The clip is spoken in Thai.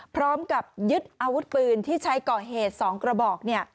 พร้อมกับยึดอาวุธปืนที่ใช้ก่อเหตุ๒กระบอก